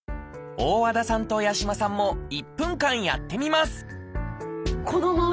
大和田さんと八嶋さんも１分間やってみます